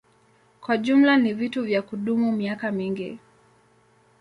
Kwa jumla ni vitu vya kudumu miaka mingi.